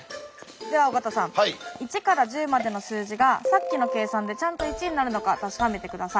じゃあ尾形さん１から１０までの数字がさっきの計算でちゃんと１になるのか確かめて下さい。